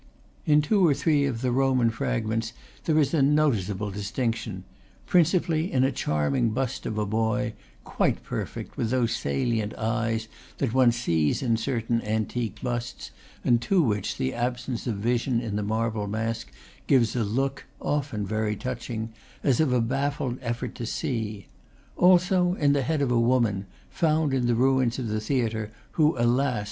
In two or three of the Roman fragments there is a noticeable distinction; principally in a charming bust of a boy, quite perfect, with those salient eyes that one sees in certain antique busts, and to which the absence of vision in the marble mask gives a look, often very touching, as of a baffled effort to see; also in the head of a woman, found in the ruins of the theatre, who, alas!